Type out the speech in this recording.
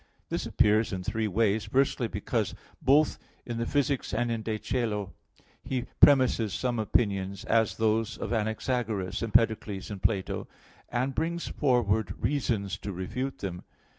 This appears in three ways. Firstly, because, both in Phys. viii and in De Coelo i, text 101, he premises some opinions, as those of Anaxagoras, Empedocles and Plato, and brings forward reasons to refute them.